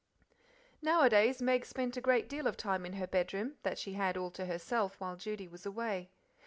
Nowadays Meg spent a great deal of time in her bedroom, that she had all to herself while Judy was away.